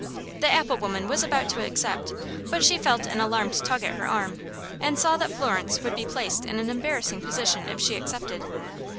The apple woman was about to accept, but she felt an alarmed tug at her arm, and saw that Florence would be placed in an embarrassing position if she accepted.